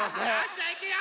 じゃあいくよ。